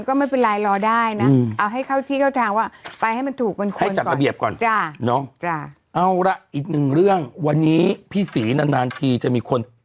ก็ไม่เป็นไรรอได้